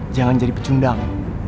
jangan jadi pecundang